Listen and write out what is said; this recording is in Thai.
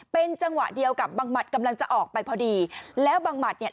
เป็นจังหวะเดียวกับบังหมัดกำลังจะออกไปพอดีแล้วบังหมัดเนี่ย